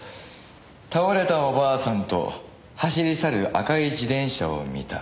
「倒れたお婆さんと走り去る赤い自転車を見た」